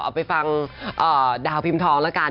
เอาไปฟังดาวพิมพ์ทองแล้วกัน